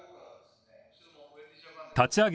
立ち上げ